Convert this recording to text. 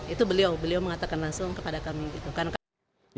itu beliau beliau mengatakan langsung kepada kami